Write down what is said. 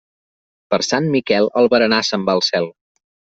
Per Sant Miquel, el berenar se'n va al cel.